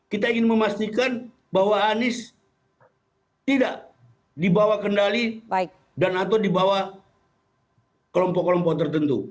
kita ingin memastikan bahwa anies tidak dibawa kendali dan atau dibawa kelompok kelompok tertentu